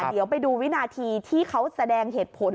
เดี๋ยวไปดูวินาทีที่เขาแสดงเหตุผล